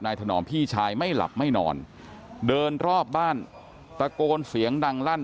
ถนอมพี่ชายไม่หลับไม่นอนเดินรอบบ้านตะโกนเสียงดังลั่น